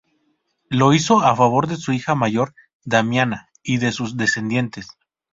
Lo hizo a favor de su hija mayor Damiana y de sus descendientes.